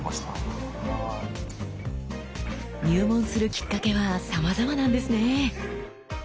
入門するきっかけはさまざまなんですね。